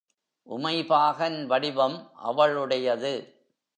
உமைபாகன் வடிவம் அவளுடையது.